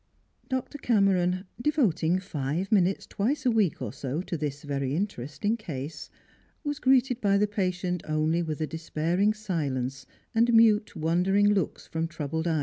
Dr. Cameron, devoting five minutes twice a week or so to this very interesting case, was greeted by the patient only with a despairing silence and mute wondering looks from troubled eye.